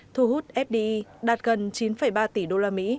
thu hút fdi đạt gần chín ba tỷ usd